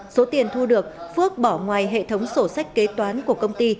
số tiền thu được phước bỏ ngoài hệ thống sổ sách kế toán của công ty